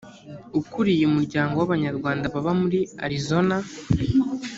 ukuriye umuryango w’abanyarwanda baba muri arizona.